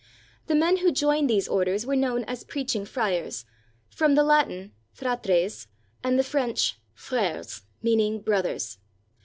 The men who joined these orders were known as preaching friars, from the Latin " fratres " and the French " freres," meaning "brothers."